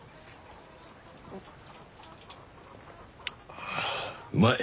あうまい！